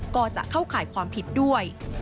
ก็จะเข้าข่ายความผิดด้วย